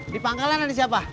di pangkalan ada siapa